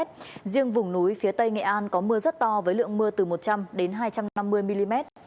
riêng vùng núi phía tây nghệ an có mưa rất to với lượng mưa từ một trăm linh hai trăm năm mươi mm